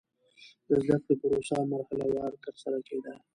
د زده کړې پروسه مرحله وار ترسره کېده.